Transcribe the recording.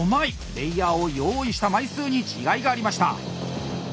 レイヤーを用意した枚数に違いがありました。